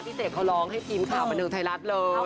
พี่เศษเค้าลองให้ทีมข่าวบรรเทิงไทยรัฐเลย